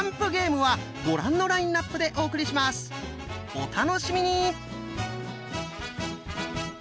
お楽しみに！